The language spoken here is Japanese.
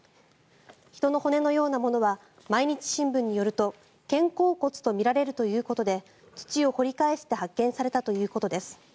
人の骨のようなものは毎日新聞によると肩甲骨とみられるということで土を掘り返して発見されたということです。